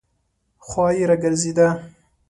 خوا یې راګرځېده.